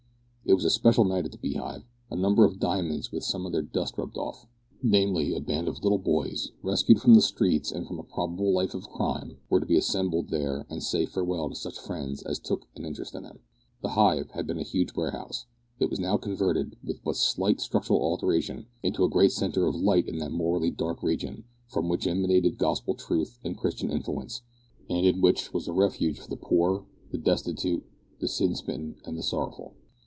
It was a special night at the Beehive. A number of diamonds with some of their dust rubbed off namely, a band of little boys, rescued from the streets and from a probable life of crime, were to be assembled there to say farewell to such friends as took an interest in them. The Hive had been a huge warehouse. It was now converted, with but slight structural alteration, into a great centre of Light in that morally dark region, from which emanated gospel truth and Christian influence, and in which was a refuge for the poor, the destitute, the sin smitten, and the sorrowful.